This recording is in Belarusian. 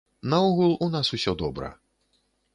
Наогул, у нас усё добра.